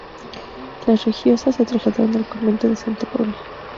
Las religiosas se trasladaron al Convento de Santa Paula.